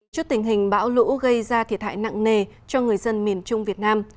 trước tình hình bão lũ gây ra thiệt hại nặng nề cho người dân miền trung việt nam